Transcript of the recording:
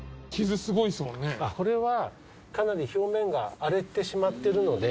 これはかなり表面が荒れてしまっているので。